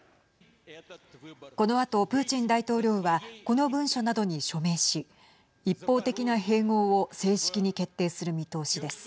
このあと、プーチン大統領はこの文書などに署名し一方的な併合を正式に決定する見通しです。